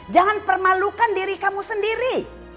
jangan permalukan diri kamu sendiri